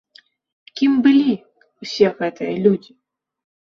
Кім былі ўсе гэтыя людзі?